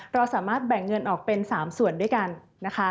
เราสามารถแบ่งเงินออกเป็น๓ส่วนด้วยกันนะคะ